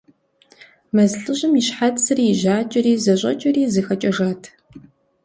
Мэз лӏыжьым и щхьэцри и жьакӏэри зэщӏэкӏэри зыхэкӏэжат.